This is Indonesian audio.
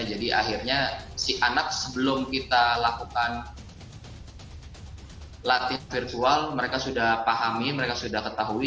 jadi akhirnya si anak sebelum kita lakukan latihan virtual mereka sudah pahami mereka sudah ketahui